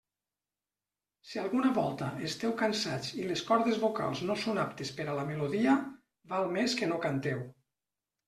Si alguna volta esteu cansats i les cordes vocals no són aptes per a la melodia, val més que no canteu.